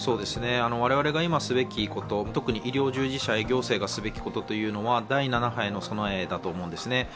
我々が今、すべきこと、特に医療従事者、行政がすべきことというのは、第７波への備えだと思うんですね。